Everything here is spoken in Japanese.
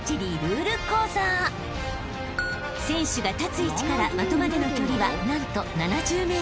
［選手が立つ位置から的までの距離は何と］